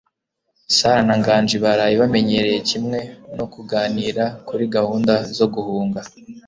Sarah na Nganji baraye bamenyereye kimwe no kuganira kuri gahunda zo guhunga.